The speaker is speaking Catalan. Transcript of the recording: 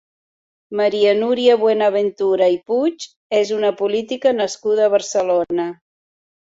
Maria Núria Buenaventura i Puig és una política nascuda a Barcelona.